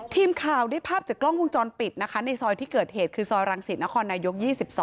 ทีมข่าวได้ภาพจากกล้องวงจรปิดนะคะในซอยที่เกิดเหตุคือซอยรังสิตนครนายก๒๒